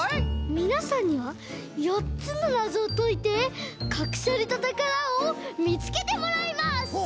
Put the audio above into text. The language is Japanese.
みなさんにはよっつのなぞをといてかくされたたからをみつけてもらいます！